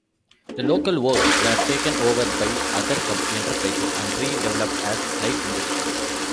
The local works were taken over by other enterprises and redeveloped as light industry.